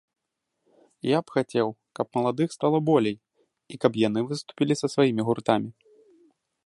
Я б хацеў, каб маладых стала болей, і каб яны выступілі са сваімі гуртамі.